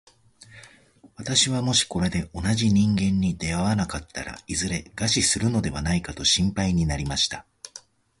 私はもしこれで同じ人間に出会わなかったら、いずれ餓死するのではないかと心配になりました。